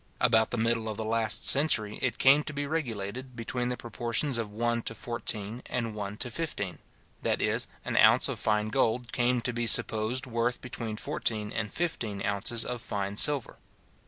About the middle of the last century, it came to be regulated, between the proportions of one to fourteen and one to fifteen; that is, an ounce of fine gold came to be supposed worth between fourteen and fifteen ounces of fine silver.